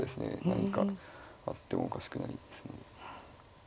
何かあってもおかしくないですね。